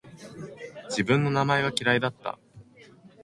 自分の名前が嫌いだった